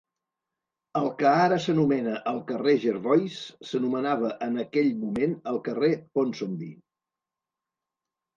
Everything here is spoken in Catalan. El que ara s'anomena el carrer Jervois s'anomenava en aquell moment el carrer Ponsonby.